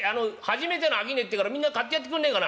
初めての商えってからみんな買ってやってくんねえかな。